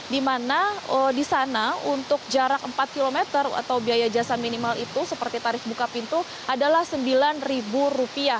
di mana di sana untuk jarak empat km atau biaya jasa minimal itu seperti tarif buka pintu adalah rp sembilan